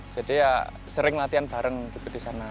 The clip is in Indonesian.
jadi ya sering latihan bareng gitu di sana